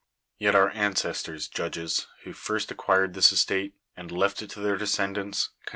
Yet our ancestors, judges, who first acquired this estate, and left it to their descendants, con.